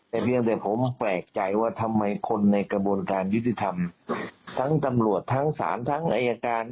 แต่เพียงแต่ผมแปลกใจว่าทำไมคนในกระบวนการยุติธรรมทั้งตำรวจทั้งศาลทั้งอายการ